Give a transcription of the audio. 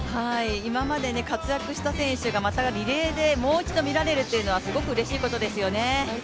今まで活躍した選手がまたリレーでもう一度見られるというのはすごくうれしいことですよね。